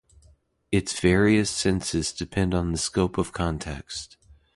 Its various senses depend on the scope of context.